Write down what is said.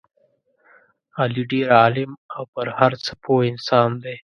علي ډېر عالم او په هر څه پوه انسان دی.